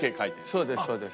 そうですそうです。